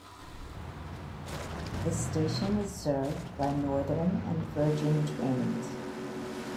The station is served by Northern and Virgin Trains.